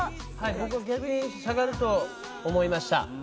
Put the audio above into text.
僕、逆に下がると思いました。